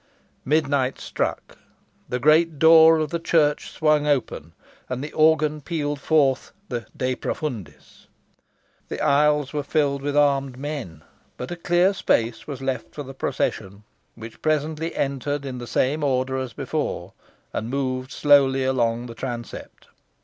Midnight struck. The great door of the church swung open, and the organ pealed forth the "De profundis." The aisles were filled with armed men, but a clear space was left for the procession, which presently entered in the same order as before, and moved slowly along the transept.